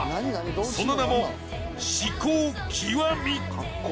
その名も「至高極」。